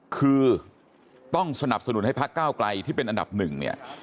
คือต้องสนับสนุนให้พักก้าวไกลที่เป็นอันดับหนึ่งเนี่ย